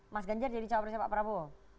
mas ganjar jadi cawapresnya pak prabowo